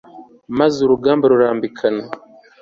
maze urugamba rurambikana